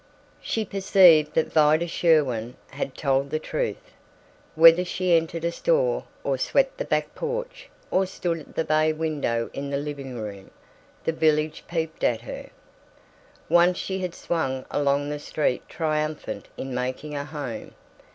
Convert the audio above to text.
She perceived that Vida Sherwin had told the truth. Whether she entered a store, or swept the back porch, or stood at the bay window in the living room, the village peeped at her. Once she had swung along the street triumphant in making a home.